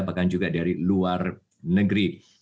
bahkan juga dari luar negeri